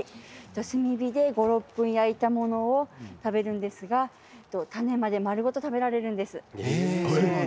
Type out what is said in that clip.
炭火で５、６分焼いたものを食べるんですが種まで丸ごと食べられるんです。